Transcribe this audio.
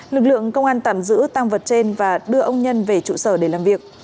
lực lượng công an tạm giữ tăng vật trên và đưa ông nhân về trụ sở để làm việc